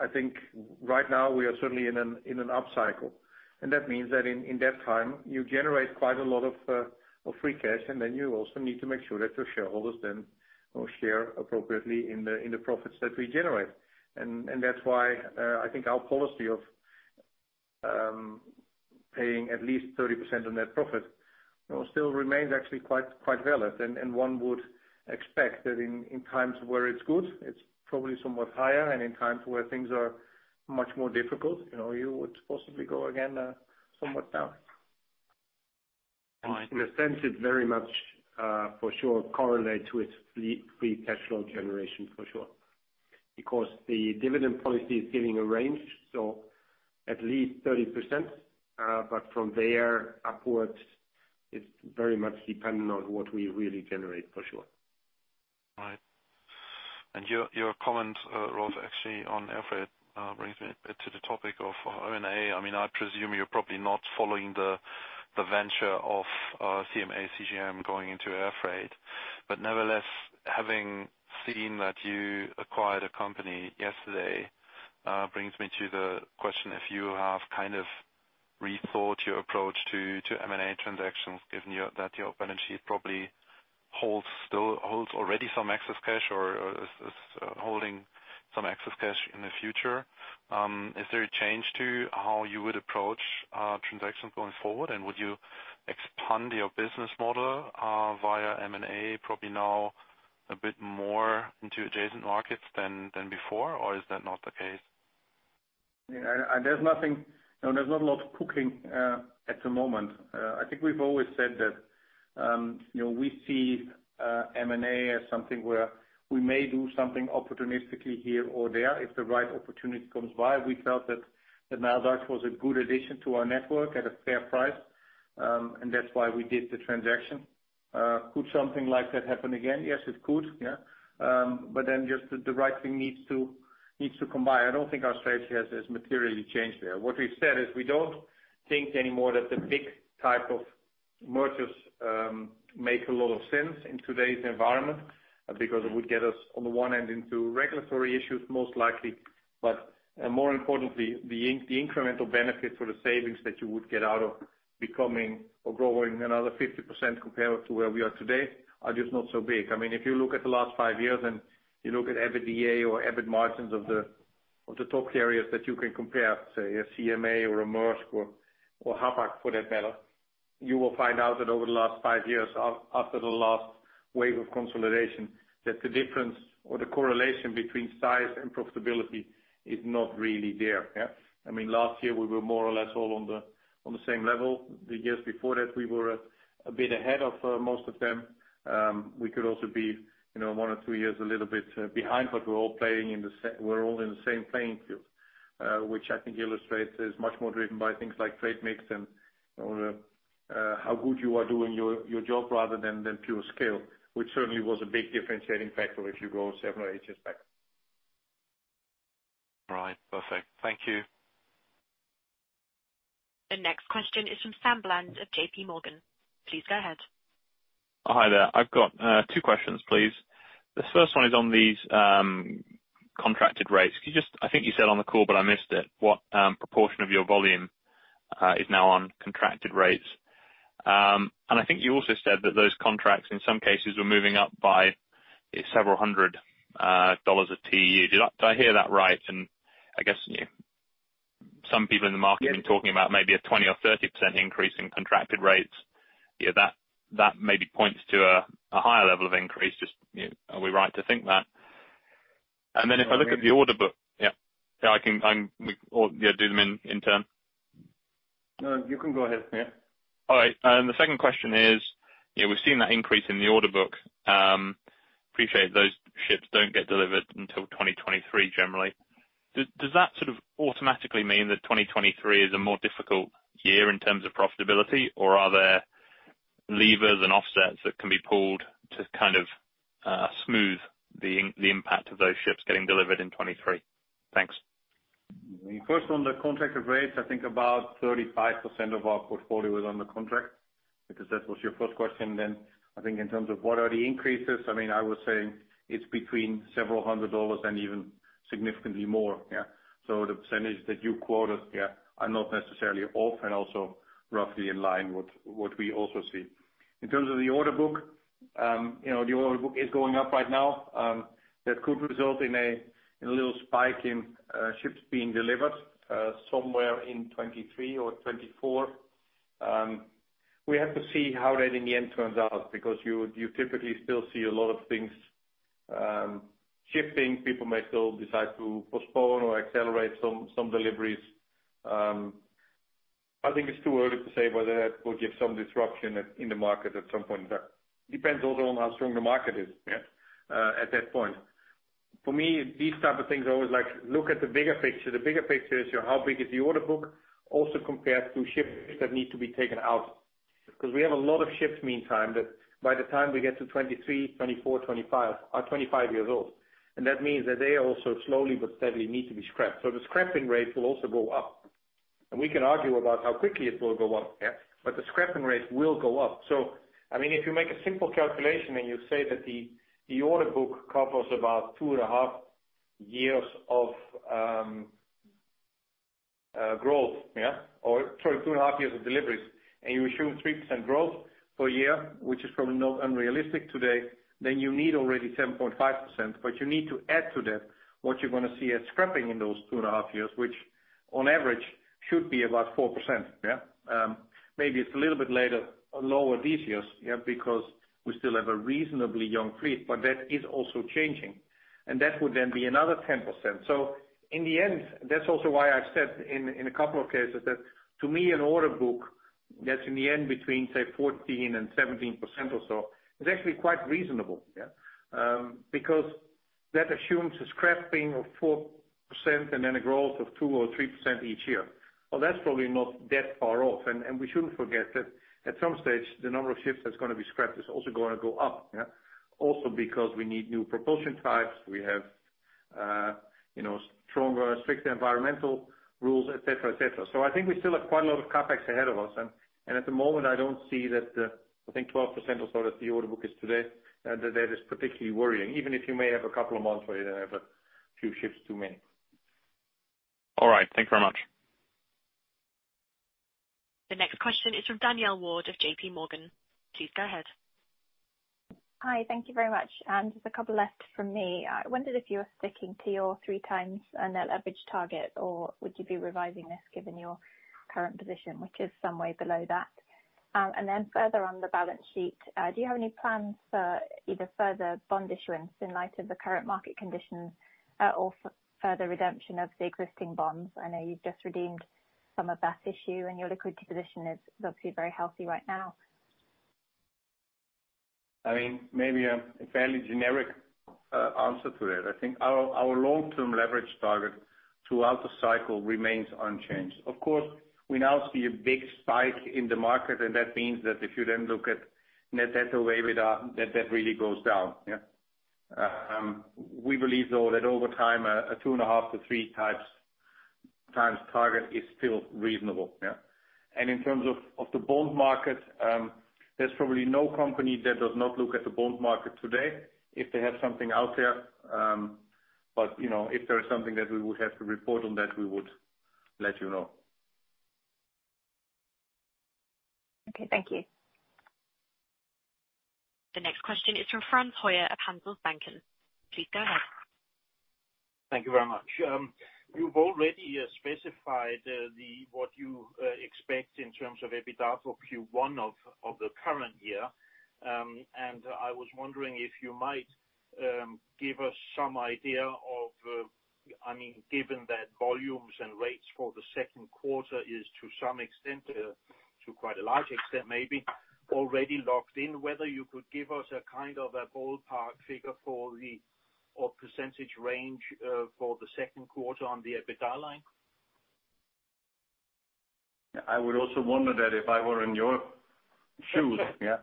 I think right now, we are certainly in an upcycle. And that means that in that time, you generate quite a lot of free cash, and then you also need to make sure that your shareholders then share appropriately in the profits that we generate. And that's why I think our policy of paying at least 30% on that profit still remains actually quite valid. And one would expect that in times where it's good, it's probably somewhat higher, and in times where things are much more difficult, you would possibly go again somewhat down. In a sense, it very much for sure correlates with free cash flow generation for sure because the dividend policy is giving a range, so at least 30%. But from there upwards, it's very much dependent on what we really generate for sure. Right. And your comment, Rolf, actually on air freight brings me to the topic of, I mean, I presume you're probably not following the venture of CMA CGM going into air freight. But nevertheless, having seen that you acquired a company yesterday brings me to the question if you have kind of rethought your approach to M&A transactions, given that your balance sheet probably holds already some excess cash or is holding some excess cash in the future. Is there a change to how you would approach transactions going forward? And would you expand your business model via M&A probably now a bit more into adjacent markets than before, or is that not the case? There's not a lot of cooking at the moment. I think we've always said that we see M&A as something where we may do something opportunistically here or there if the right opportunity comes by. We felt that NileDutch was a good addition to our network at a fair price, and that's why we did the transaction. Could something like that happen again? Yes, it could. Yeah. But then just the right thing needs to combine. I don't think our strategy has materially changed there. What we've said is we don't think anymore that the big type of mergers make a lot of sense in today's environment because it would get us, on the one hand, into regulatory issues most likely. But more importantly, the incremental benefits or the savings that you would get out of becoming or growing another 50% compared to where we are today are just not so big. I mean, if you look at the last five years and you look at EBITDA or EBIT margins of the top carriers that you can compare, say, a CMA or a Maersk or Hapag-Lloyd for that matter, you will find out that over the last five years, after the last wave of consolidation, that the difference or the correlation between size and profitability is not really there. Yeah. I mean, last year, we were more or less all on the same level. The years before that, we were a bit ahead of most of them. We could also be one or two years a little bit behind, but we're all playing in the same playing field, which I think illustrates is much more driven by things like trade mix and how good you are doing your job rather than pure scale, which certainly was a big differentiating factor if you go seven or eight years back. All right. Perfect. Thank you. The next question is from Sam Bland of JPMorgan. Please go ahead. Hi there. I've got two questions, please. The first one is on these contracted rates. I think you said on the call, but I missed it, what proportion of your volume is now on contracted rates? And I think you also said that those contracts in some cases were moving up by several hundred dollars a tier. Did I hear that right? And I guess some people in the market have been talking about maybe a 20% or 30% increase in contracted rates. That maybe points to a higher level of increase. Are we right to think that? And then if I look at the order book yeah, I can do them in turn. No, you can go ahead. Yeah. All right. And the second question is, we've seen that increase in the order book. Appreciate those ships don't get delivered until 2023 generally. Does that sort of automatically mean that 2023 is a more difficult year in terms of profitability, or are there levers and offsets that can be pulled to kind of smooth the impact of those ships getting delivered in 2023? Thanks. First, on the contracted rates, I think about 35% of our portfolio is on the contract because that was your first question. Then I think in terms of what are the increases, I mean, I would say it's between several hundred dollars and even significantly more. Yeah. So the percentage that you quoted, yeah, are not necessarily off and also roughly in line with what we also see. In terms of the order book, the order book is going up right now. That could result in a little spike in ships being delivered somewhere in 2023 or 2024. We have to see how that in the end turns out because you typically still see a lot of things shifting. People may still decide to postpone or accelerate some deliveries. I think it's too early to say whether that would give some disruption in the market at some point. It depends also on how strong the market is at that point. For me, these type of things are always like, look at the bigger picture. The bigger picture is how big is the order book also compared to ships that need to be taken out because we have a lot of ships meantime that by the time we get to 2023, 2024, 2025, are 25 years old. And that means that they also slowly but steadily need to be scrapped. So the scrapping rate will also go up. And we can argue about how quickly it will go up. Yeah. But the scrapping rate will go up. So I mean, if you make a simple calculation and you say that the order book covers about two and a half years of growth, yeah, or sorry, two and a half years of deliveries, and you assume 3% growth per year, which is probably not unrealistic today, then you need already 7.5%. But you need to add to that what you're going to see at scrapping in those two and a half years, which on average should be about 4%. Yeah. Maybe it's a little bit later, lower these years, yeah, because we still have a reasonably young fleet, but that is also changing. And that would then be another 10%. So in the end, that's also why I've said in a couple of cases that to me, an order book that's in the end between, say, 14%-17% or so, it's actually quite reasonable, yeah, because that assumes a scrapping of 4% and then a growth of 2% or 3% each year. Well, that's probably not that far off. And we shouldn't forget that at some stage, the number of ships that's going to be scrapped is also going to go up, yeah, also because we need new propulsion types. We have stronger, stricter environmental rules, etc., etc. So I think we still have quite a lot of CapEx ahead of us. And at the moment, I don't see that the, I think, 12% or so that the order book is today, that that is particularly worrying, even if you may have a couple of months where you don't have a few ships too many. All right. Thanks very much. The next question is from Danielle Ward of JPMorgan. Please go ahead. Hi. Thank you very much. And just a couple left from me. I wondered if you were sticking to your 3x net average target, or would you be revising this given your current position, which is some way below that? And then further on the balance sheet, do you have any plans for either further bond issuance in light of the current market conditions or further redemption of the existing bonds? I know you've just redeemed some of that issue, and your liquidity position is obviously very healthy right now. I mean, maybe a fairly generic answer to that. I think our long-term leverage target throughout the cycle remains unchanged. Of course, we now see a big spike in the market, and that means that if you then look at net debt over EBITDA, that that really goes down. Yeah. We believe, though, that over time, a 2.5x-3x target is still reasonable. Yeah. And in terms of the bond market, there's probably no company that does not look at the bond market today if they have something out there. But if there is something that we would have to report on that, we would let you know. Okay. Thank you. The next question is from Frans Hoyer of Handelsbanken. Please go ahead. Thank you very much. You've already specified what you expect in terms of EBITDA for Q1 of the current year. And I was wondering if you might give us some idea of, I mean, given that volumes and rates for the second quarter is to some extent, to quite a large extent maybe, already locked in, whether you could give us a kind of a ballpark figure for the percentage range for the second quarter on the EBITDA line. I would also wonder that if I were in your shoes. Yeah.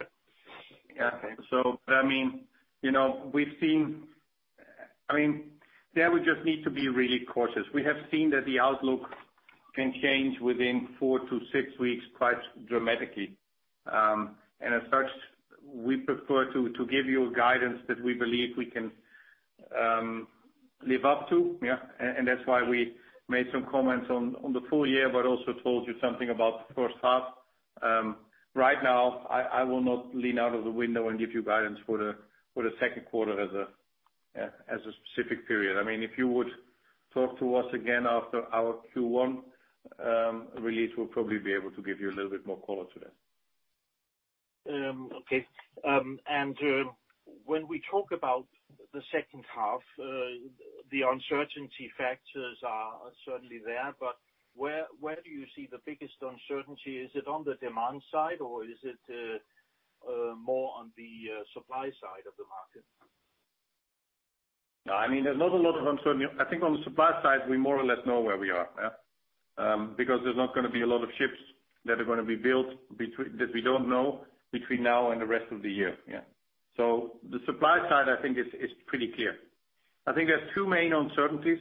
Yeah. But I mean, we've seen. I mean, there would just need to be really cautious. We have seen that the outlook can change within four to six weeks quite dramatically. And as such, we prefer to give you guidance that we believe we can live up to. Yeah. And that's why we made some comments on the full year, but also told you something about the first half. Right now, I will not lean out of the window and give you guidance for the second quarter as a specific period. I mean, if you would talk to us again after our Q1 release, we'll probably be able to give you a little bit more color to that. Okay. And when we talk about the second half, the uncertainty factors are certainly there. But where do you see the biggest uncertainty? Is it on the demand side, or is it more on the supply side of the market? I mean, there's not a lot of uncertainty. I think on the supply side, we more or less know where we are, yeah, because there's not going to be a lot of ships that are going to be built that we don't know between now and the rest of the year. Yeah. So the supply side, I think, is pretty clear. I think there's two main uncertainties.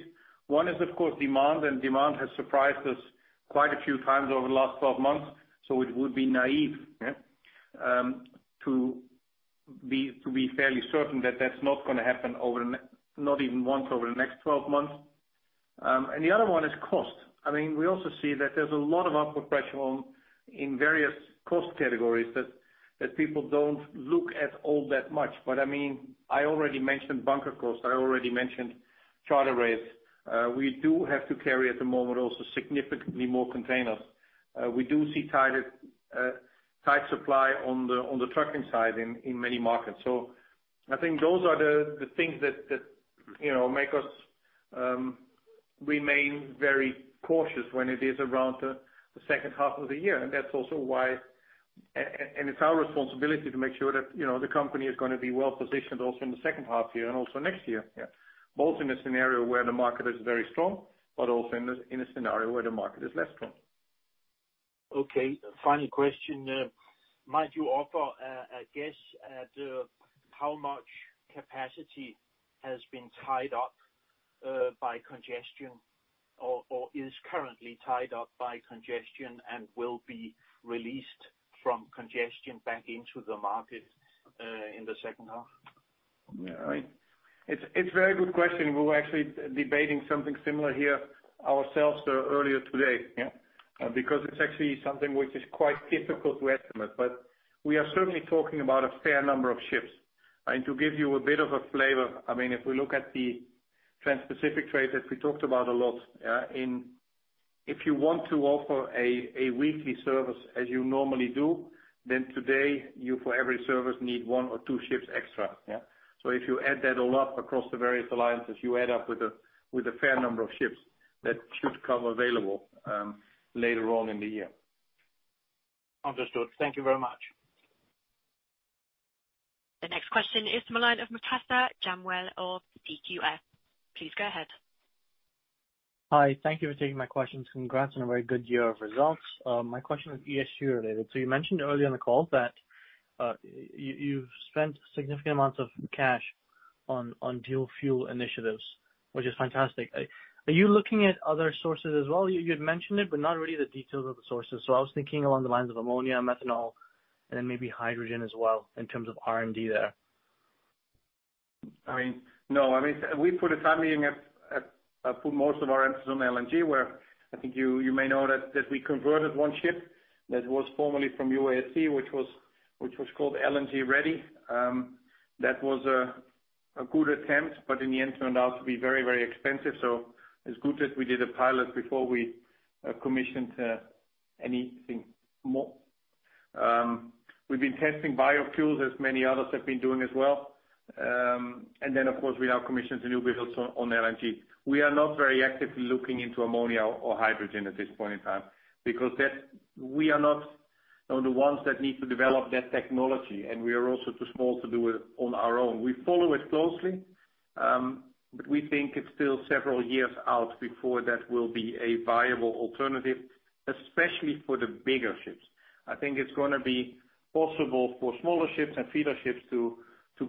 One is, of course, demand, and demand has surprised us quite a few times over the last 12 months. So it would be naive to be fairly certain that that's not going to happen not even once over the next 12 months. And the other one is cost. I mean, we also see that there's a lot of upward pressure in various cost categories that people don't look at all that much. But I mean, I already mentioned bunker costs. I already mentioned charter rates. We do have to carry at the moment also significantly more containers. We do see tight supply on the trucking side in many markets. So I think those are the things that make us remain very cautious when it is around the second half of the year. And that's also why, and it's our responsibility to make sure that the company is going to be well positioned also in the second half year and also next year, yeah, both in a scenario where the market is very strong, but also in a scenario where the market is less strong. Okay. Final question. Might you offer a guess at how much capacity has been tied up by congestion or is currently tied up by congestion and will be released from congestion back into the market in the second half? Yeah. It's a very good question. We were actually debating something similar here ourselves earlier today, yeah, because it's actually something which is quite difficult to estimate, but we are certainly talking about a fair number of ships. And to give you a bit of a flavor, I mean, if we look at the Trans-Pacific trade that we talked about a lot, yeah, if you want to offer a weekly service as you normally do, then today, you for every service need one or two ships extra. Yeah. So if you end up with a fair number of ships that should come available later on in the year. Understood. Thank you very much. The next question is from the line of. <inaudible> Please go ahead. Hi. Thank you for taking my questions. Congrats on a very good year of results. My question is ESG related. So you mentioned earlier in the call that you've spent significant amounts of cash on diesel fuel initiatives, which is fantastic. Are you looking at other sources as well? You had mentioned it, but not really the details of the sources. So I was thinking along the lines of ammonia and methanol, and then maybe hydrogen as well in terms of R&D there. I mean, no. I mean, we put a timing and put most of our emphasis on LNG, where I think you may know that we converted one ship that was formerly from UASC, which was called LNG Ready. That was a good attempt, but in the end, turned out to be very, very expensive. So it's good that we did a pilot before we commissioned anything more. We've been testing biofuels as many others have been doing as well. And then, of course, we now commissioned the new vehicles on LNG. We are not very actively looking into ammonia or hydrogen at this point in time because we are not the ones that need to develop that technology, and we are also too small to do it on our own. We follow it closely, but we think it's still several years out before that will be a viable alternative, especially for the bigger ships. I think it's going to be possible for smaller ships and feeder ships to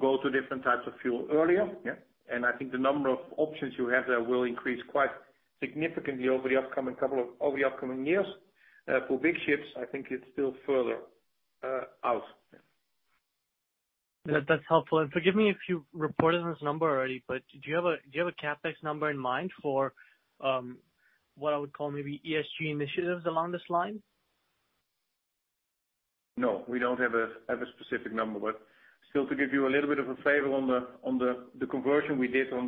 go to different types of fuel earlier. Yeah. And I think the number of options you have there will increase quite significantly over the upcoming couple of years. For big ships, I think it's still further out. That's helpful. And forgive me if you reported on this number already, but do you have a CapEx number in mind for what I would call maybe ESG initiatives along this line? No. We don't have a specific number, but still, to give you a little bit of a flavor on the conversion we did on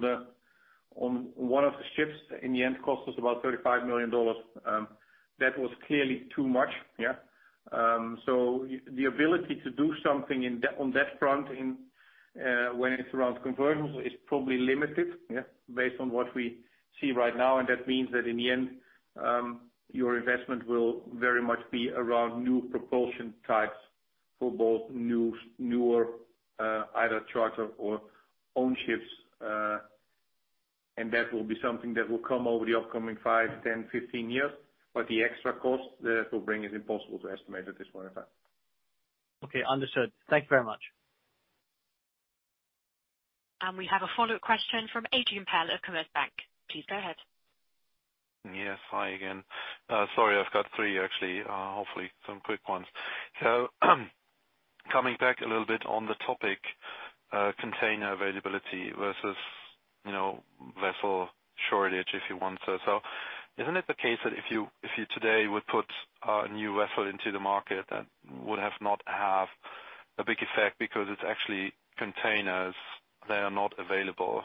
one of the ships, in the end, cost us about $35 million. That was clearly too much. Yeah. So the ability to do something on that front when it's around conversions is probably limited, yeah, based on what we see right now. And that means that in the end, your investment will very much be around new propulsion types for both newer either charter or own ships. And that will be something that will come over the upcoming five, 10, 15 years. But the extra cost that it will bring is impossible to estimate at this point in time. Okay. Understood. Thank you very much. And we have a follow-up question from Adrian Pehl of Commerzbank. Please go ahead. Yes. Hi again. Sorry. I've got three, actually. So coming back a little bit on the topic, container availability versus vessel shortage, if you want to. Isn't it the case that if you today would put a new vessel into the market, that would have not have a big effect because it's actually containers that are not available?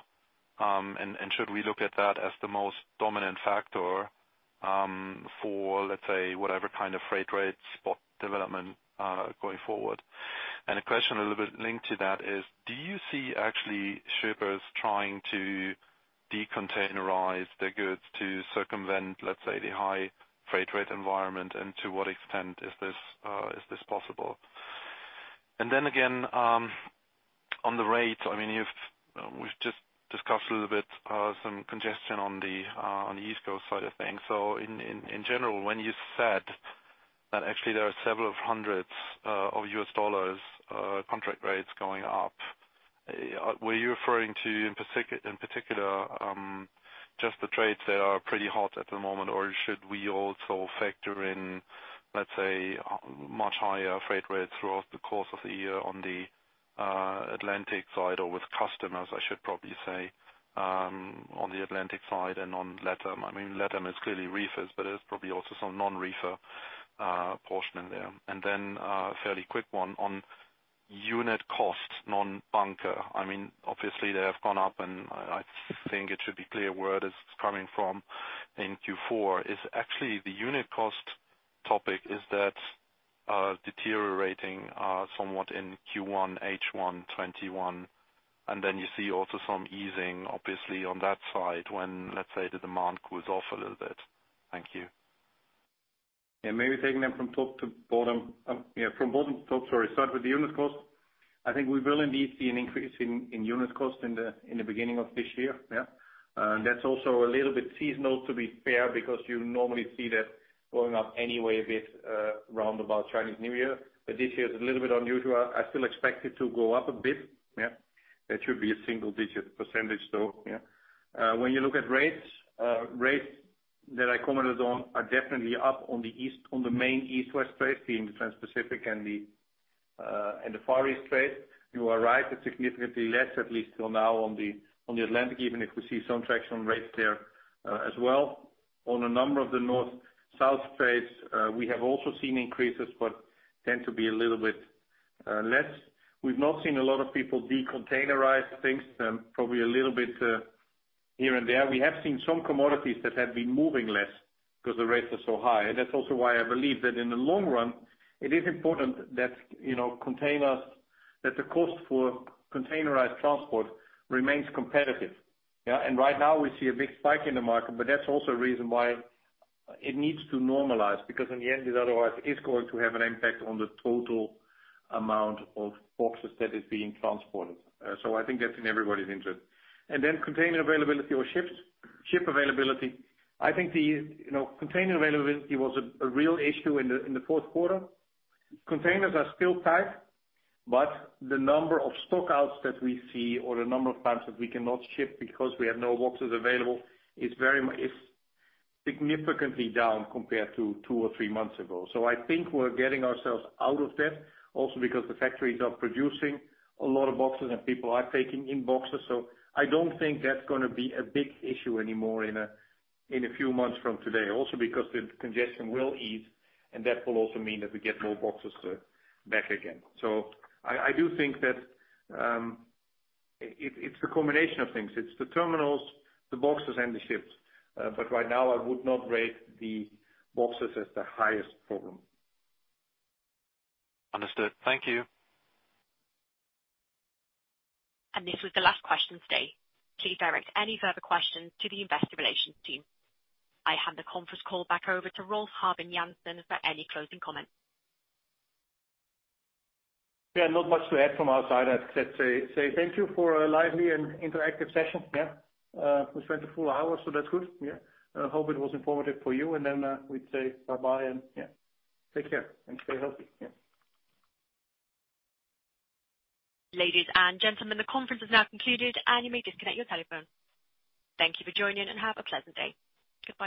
And should we look at that as the most dominant factor for, let's say, whatever kind of freight rate spot development going forward? And a question a little bit linked to that is, do you see actually shippers trying to decontainerize their goods to circumvent, let's say, the high freight rate environment? And to what extent is this possible? And then again, on the rate, I mean, we've just discussed a little bit some congestion on the East Coast side of things. In general, when you said that actually there are several hundreds of US dollars contract rates going up, were you referring to, in particular, just the trades that are pretty hot at the moment, or should we also factor in, let's say, much higher freight rates throughout the course of the year on the Atlantic side or with customers, I should probably say, on the Atlantic side and on LatAm? I mean, LatAm is clearly reefers, but there's probably also some non-reefer portion in there. Then a fairly quick one on unit cost, non-bunker. I mean, obviously, they have gone up, and I think it should be clear where this is coming from in Q4. Is actually the unit cost topic deteriorating somewhat in Q1, H1, 2021? And then you see also some easing, obviously, on that side when, let's say, the demand cools off a little bit. Thank you. Yeah. Maybe taking them from top to bottom. Yeah. From bottom to top, sorry. Start with the unit cost. I think we will indeed see an increase in unit cost in the beginning of this year. Yeah. And that's also a little bit seasonal, to be fair, because you normally see that going up anyway a bit around about Chinese New Year. But this year is a little bit unusual. I still expect it to go up a bit. Yeah. It should be a single-digit %, though. Yeah. When you look at rates, rates that I commented on are definitely up on the main East-West trade, being the Trans-Pacific and the Far East trade. You are right. It's significantly less, at least till now, on the Atlantic, even if we see some traction on rates there as well. On a number of the North-South trades, we have also seen increases but tend to be a little bit less. We've not seen a lot of people decontainerize things, probably a little bit here and there. We have seen some commodities that have been moving less because the rates are so high. And that's also why I believe that in the long run, it is important that the cost for containerized transport remains competitive. Yeah. And right now, we see a big spike in the market, but that's also a reason why it needs to normalize because in the end, it otherwise is going to have an impact on the total amount of boxes that is being transported. So I think that's in everybody's interest. And then container availability or ship availability. I think the container availability was a real issue in the fourth quarter. Containers are still tight, but the number of stockouts that we see or the number of times that we cannot ship because we have no boxes available is significantly down compared to two or three months ago. So I think we're getting ourselves out of debt also because the factories are producing a lot of boxes, and people are taking in boxes. So I don't think that's going to be a big issue anymore in a few months from today, also because the congestion will ease, and that will also mean that we get more boxes back again. So I do think that it's the combination of things. It's the terminals, the boxes, and the ships. But right now, I would not rate the boxes as the highest problem. Understood. Thank you. And this was the last question today. Please direct any further questions to the investor relations team. I hand the conference call back over to Rolf Habben Jansen for any closing comments. Yeah. Not much to add from our side. I'd say thank you for a lively and interactive session. Yeah. We spent a full hour, so that's good. Yeah. I hope it was informative for you. And then we'd say bye-bye and, yeah, take care and stay healthy. Yeah. Ladies and gentlemen, the conference has now concluded, and you may disconnect your telephone. Thank you for joining, and have a pleasant day. Goodbye.